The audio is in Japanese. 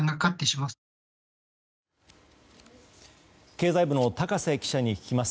経済部の高瀬記者に聞きます。